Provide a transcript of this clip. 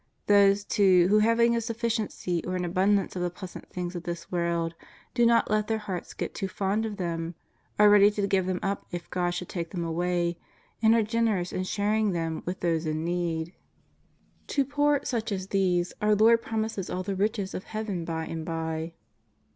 Those, too, who having a sufficiency or an abundance of the pleasant things of this world, do not let their hearts get too fond of them, are ready to give them up if God should take them away, and are generous in sharing them with those in need. To poor, ^02 JESUS OF NAZABETH. such as these, our Lord promises all the riches of Heaven by and by.